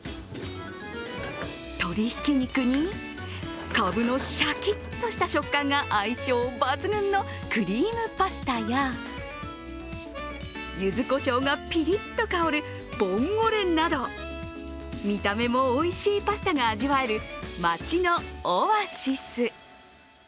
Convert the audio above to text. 鶏ひき肉にかぶのシャキッとした食感が相性抜群のクリームパスタやゆずこしょうがピリッと香るボンゴレなど、見た目もおいしいパスタが味わえる街のオアシス。